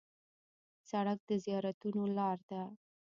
سړک د زیارتونو لار ده.